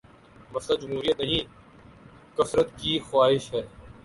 مسئلہ جمہوریت نہیں، کثرت کی خواہش ہے۔